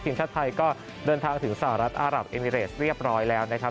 ทีมชาติไทยก็เดินทางถึงสหรัฐอารับเอมิเรสเรียบร้อยแล้วนะครับ